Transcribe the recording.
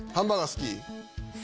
好き！